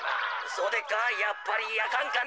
そうでっかやっぱりあかんかな。